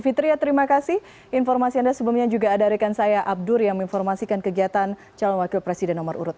fitria terima kasih informasi anda sebelumnya juga ada rekan saya abdur yang menginformasikan kegiatan calon wakil presiden nomor urut satu